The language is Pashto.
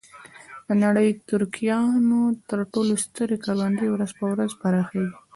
د نړۍ د تریاکو تر ټولو سترې کروندې ورځ په ورځ پراخېږي.